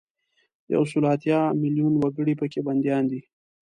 یو سل او اتیا میلونه وګړي په کې بندیان دي.